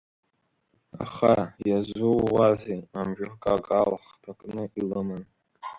Аха, иазууазеи, амжәакакал хҭакны илыман…